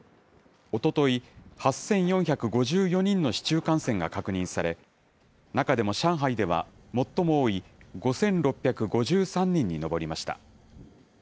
おととい、８４５４人の市中感染が確認され、中でも上海では、最も多い５６５３人に上りました。